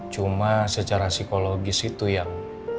cuma secara psikologis itu yang